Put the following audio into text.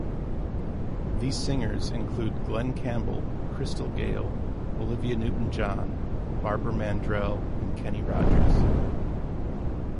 These singers include Glen Campbell, Crystal Gayle, Olivia Newton-John, Barbara Mandrell, and Kenny Rogers.